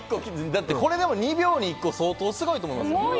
だってこれでも２秒に１個相当すごいと思いますよ。